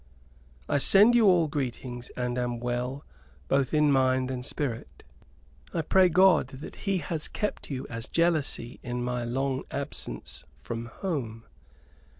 I send you all greetings, and am well both in mind and spirit. I pray God that He has kept you as jealously in my long absence from home.